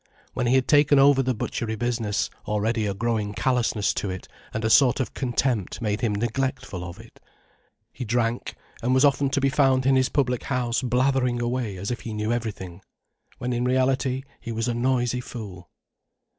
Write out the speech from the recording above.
When he had taken over the butchery business, already a growing callousness to it, and a sort of contempt made him neglectful of it. He drank, and was often to be found in his public house blathering away as if he knew everything, when in reality he was a noisy fool.